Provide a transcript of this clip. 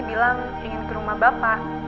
bilang ingin ke rumah bapak